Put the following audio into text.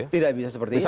tidak bisa seperti itu